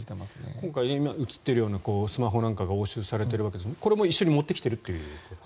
今回、今映っているようなスマホなんかが押収されているわけですがこれも一緒に持ってきていると。